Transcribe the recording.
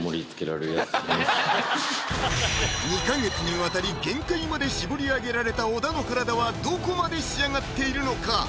２か月にわたり限界まで絞り上げられた小田の体はどこまで仕上がっているのか？